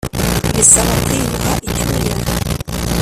bisaba kwiyuha icyuya;